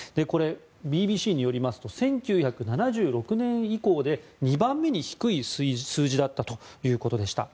ＢＢＣによりますと１９７６年以降で２番目に低い数字だったということでした。